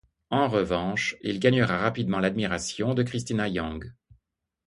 En revanche, il gagnera rapidement l'admiration de Cristina Yang.